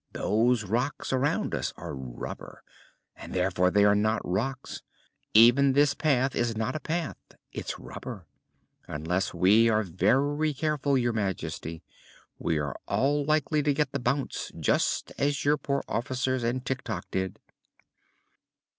Those rocks around us are rubber, and therefore they are not rocks. Even this path is not a path; it's rubber. Unless we are very careful, your Majesty, we are all likely to get the bounce, just as your poor officers and Tik Tok did."